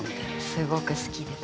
すごく好きです。